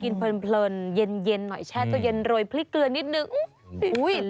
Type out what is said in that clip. กินเพลินเย็นหน่อยแช่ตัวเย็นโรยพริกเกลือนนิดหนึ่ง